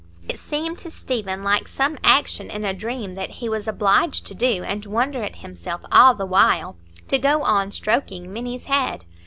It seemed to Stephen like some action in a dream that he was obliged to do, and wonder at himself all the while,—to go on stroking Minny's head.